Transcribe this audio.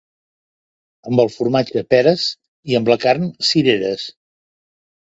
Amb el formatge, peres, i amb la carn, cireres.